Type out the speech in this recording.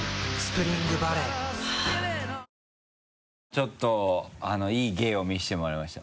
ちょっといい芸を見せてもらいました。